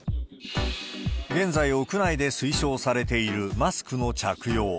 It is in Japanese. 現在屋内で推奨されているマスクの着用。